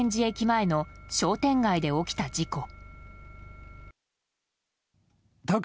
前の商店街で起きた事故。